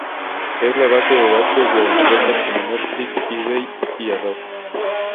Es la base de datos de empresas como Netflix, eBay y Adobe.